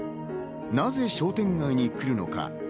なぜ商店街に来るのか。